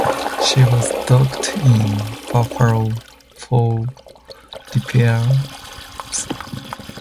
She was docked in Buffalo for repairs.